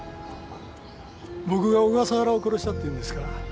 僕が小笠原を殺したっていうんですか？